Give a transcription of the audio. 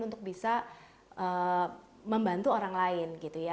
untuk bisa membantu orang lain